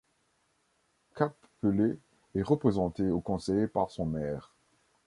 Cap-Pelé est représenté au conseil par son maire.